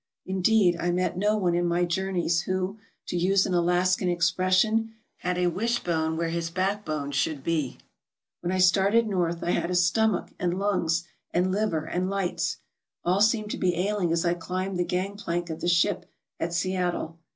Indeed, I met no one in my jourja^ys who, to use an Alaskan ex pression, had "a wishbone where his backbone should be/* ^ When I started north I had a stomach, and lungs, and liver, and lights. All seemed to be ailing as I climbed the gang plank of the ship at Seattle.